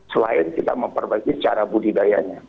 selain kita memperbaiki cara budidayanya